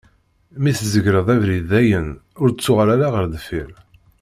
Mi tzegreḍ abrid dayen, ur d-ttuɣal ara ɣer deffir.